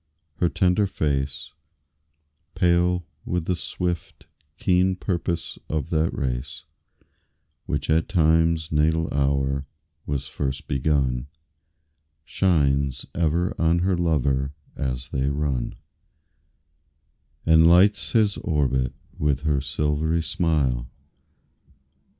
Her tender face, Pale with the swift, keen purpose of that race Which at Time's natal hour was first begun, Shines ever on her lover as they run And lights his orbit with her silvery smile.